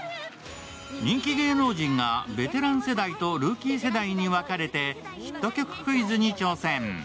人気芸能人がベテラン世代とルーキー世代に分かれてヒット曲クイズに挑戦。